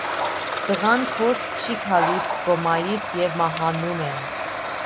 Տղան դուրս չի գալիս կոմայից և մահանում է։